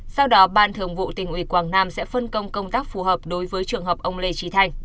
sau đó ban thường vụ tỉnh ủy quảng nam sẽ phân công công tác phù hợp đối với trường hợp ông lê trí thanh